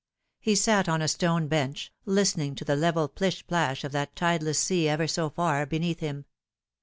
He sat on a stone bench, listening to the level plish plash of that tide less sea ever so far beneath him.